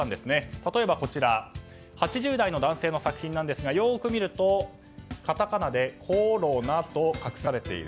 例えば８０代の男性の作品ですがよく見ると、カタカナで「コロナ」と隠されている。